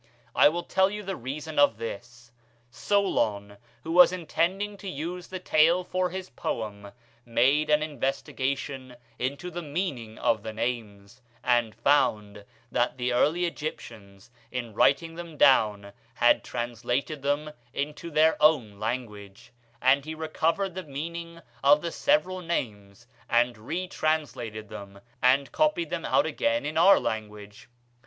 I will tell you the reason of this: Solon, who was intending to use the tale for his poem, made an investigation into the meaning of the names, and found that the early Egyptians, in writing them down, had translated them into their own language, and he recovered the meaning of the several names and retranslated them, and copied them out again in our language.